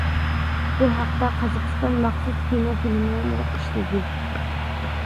بۇ ھەقتە قازاقىستان مەخسۇس كىنو فىلىمىمۇ ئىشلىدى.